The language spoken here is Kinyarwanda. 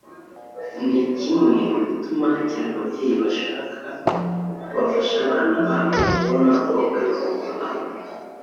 ni kimwe mu bituma hakiri ababyeyi bashaka uko bafasha abana babo kubona ubakorera uwo muhango